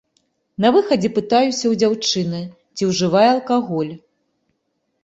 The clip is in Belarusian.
На выхадзе пытаюся ў дзяўчыны, ці ўжывае алкаголь.